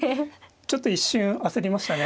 ちょっと一瞬焦りましたね。